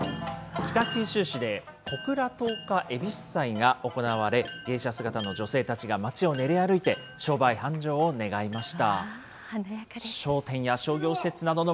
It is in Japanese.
北九州市で小倉十日ゑびす祭が行われ、芸者姿の女性たちが街を練り歩いて、商売繁盛を願いました。